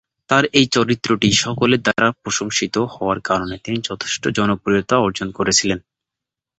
তাঁর এই চরিত্রটি সকলের দ্বারা প্রশংসিত হওয়ার কারণে তিনি যথেষ্ট জনপ্রিয়তা অর্জন করেছিলেন।